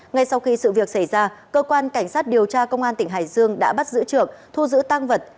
ngay sau khi sự việc xảy ra cơ quan cảnh sát điều tra công an tỉnh hải dương đã bắt giữ trượt thu giữ tăng vật